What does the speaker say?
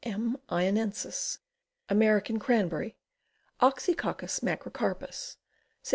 M. loensis. American Cranberry. Oxycoccus macrocarpus. Sep.